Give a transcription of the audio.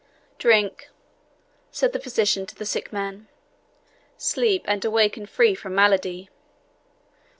"Drink," said the physician to the sick man "sleep, and awaken free from malady."